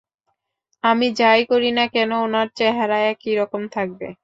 আমি যা-ই করি না কেন, ওনার চেহারা একই রকম থাকবে।